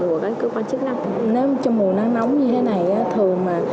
nếu trong mùa nắng nóng như thế này thường mà